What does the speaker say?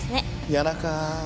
谷中。